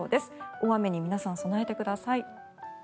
大雨に皆さん、備えてください。